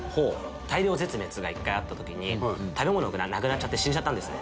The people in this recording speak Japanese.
大量絶滅が一回あった時に食べ物がなくなっちゃって死んじゃったんですね。